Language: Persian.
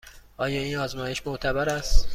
آیا این آزمایش معتبر است؟